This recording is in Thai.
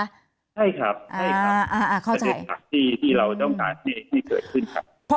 ใช่ครับใช่ครับประเด็นหลักที่เราต้องการที่เกิดขึ้นครับ